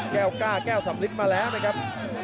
แก้วก้าแก้วสำลิดมาแล้วนะครับ